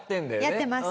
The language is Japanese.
やってます。